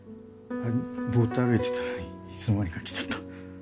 ボーっと歩いてたらいつの間にか来ちゃった。